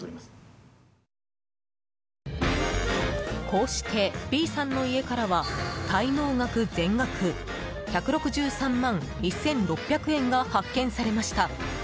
こうして、Ｂさんの家からは滞納額全額１６３万１６００円が発見されました。